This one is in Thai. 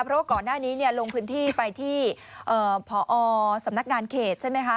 เพราะว่าก่อนหน้านี้ลงพื้นที่ไปที่พอสำนักงานเขตใช่ไหมคะ